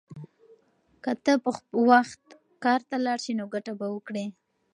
که ته په وخت کار ته لاړ شې نو ګټه به وکړې.